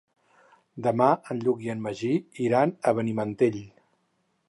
Demà en Lluc i en Magí iran a Benimantell.